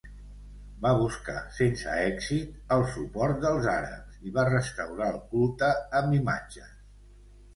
Va buscar, sense èxit, el suport dels àrabs i va restaurar el culte amb imatges.